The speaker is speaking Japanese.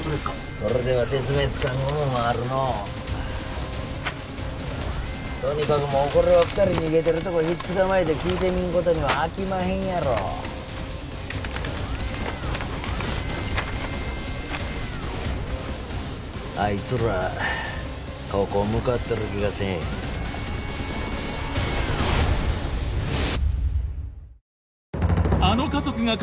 それでは説明つかんものもあるのうとにかくもうこれは二人逃げてるとこひっ捕まえて聞いてみんことにはあきまへんやろあいつらここ向かってる気がせえへんか？